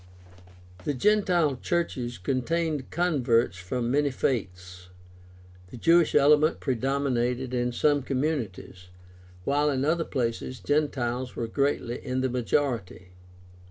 The gentile churches contained converts from many faiths. The Jewish element predominated in some communities, while in other places Gentiles were greatly in the majority.